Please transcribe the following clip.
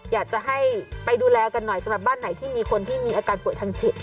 อยากจะให้ไปดูแลกันหน่อยสำหรับบ้านไหนที่มีคนที่มีอาการป่วยทางจิต